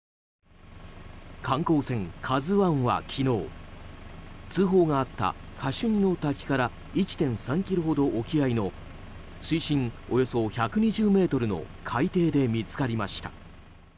観光船「ＫＡＺＵ１」は昨日通報があったカシュニの滝から１．３ｋｍほど沖合の水深およそ１２０ｍの海底で見つかりました。